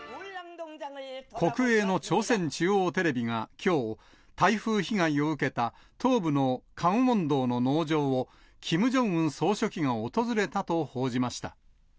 国営の朝鮮中央テレビが、きょう、台風被害を受けた東部のカンウォン道の農場を、キム・ジョンウン総書記が訪れたと報じました。